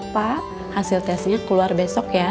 pak hasil tesnya keluar besok ya